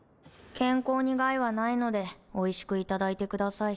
健康に害はないのでおいしくいただいてください。